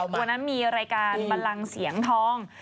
วันนั้นมีรายการบันลังเสียงทอง